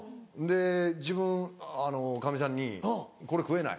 自分カミさんに「これ食えない」。